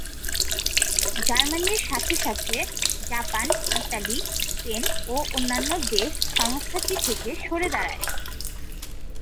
জার্মানির সাথে সাথে জাপান, ইতালি, স্পেন ও অন্যান্য দেশ সংস্থাটি থেকে সরে দাঁড়ায়।